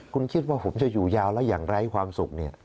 คุณคิดว่าผมจะอยู่ยาวแล้วอย่างไร้ความสุขเนี่ย